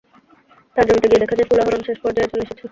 তাঁর জমিতে গিয়ে দেখা যায়, ফুল আহরণ শেষ পর্যায়ে চলে এসেছে।